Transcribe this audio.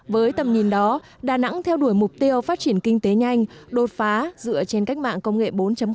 với tầm nhìn đó đà nẵng theo đuổi mục tiêu phát triển kinh tế nhanh đột phá dựa trên cách mạng công nghệ bốn